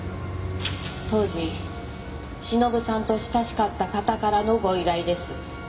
当時忍さんと親しかった方からのご依頼です。